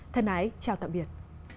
thân ái chào tạm biệt